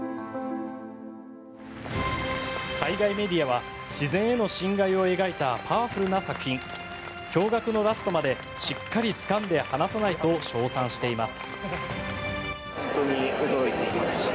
海外メディアは自然への侵害を描いたパワフルな作品驚がくのラストまでしっかりつかんで離さないと称賛しています。